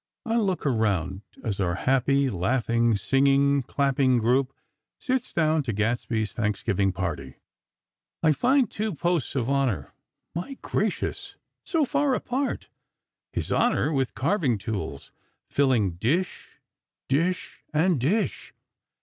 I'll look around, as our happy, laughing, singing, clapping group sits down to Gadsby's Thanksgiving party. I find two "posts of honor;" (My gracious! so far apart!); His Honor, with carving tools filling dish, dish, and dish.